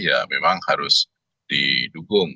ya memang harus didukung